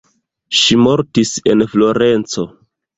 Ŝi mortis en Florenco.